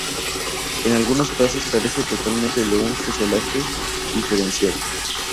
En algunos casos carece totalmente de un fuselaje diferenciado.